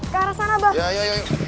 ke arah sana bro